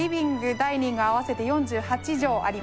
ダイニング合わせて４８帖あります。